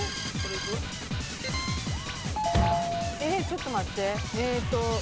ちょっと待って。